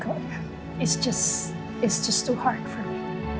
ini terlalu susah buat aku